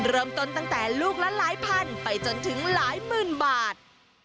เริ่มต้นตั้งแต่ลูกละหลายพันไปจนถึงหลายหมื่นบาท